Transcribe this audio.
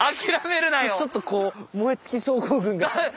ちょっとこう燃え尽き症候群が。